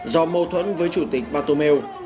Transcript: do mâu thuẫn với chủ tịch bartomeu